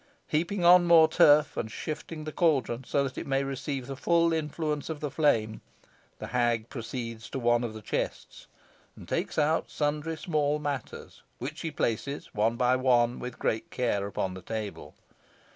Heaping on more turf, and shifting the caldron, so that it may receive the full influence of the flame, the hag proceeds to one of the chests, and takes out sundry small matters, which she places one by one with great care on the table.